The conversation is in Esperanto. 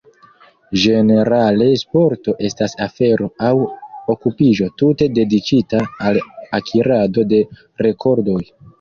Ĝenerale sporto estas afero aŭ okupiĝo tute dediĉita al akirado de rekordoj.